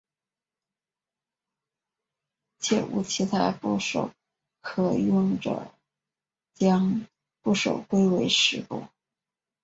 且无其他部首可用者将部首归为石部。